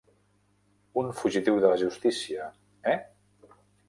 Un fugitiu de la justícia, eh?